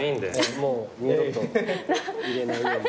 もう二度と入れないように。